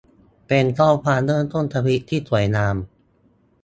เป็นข้อความเริ่มต้นทวีตที่สวยงาม